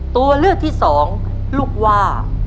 ตัวเลือกที่สองลูกว่า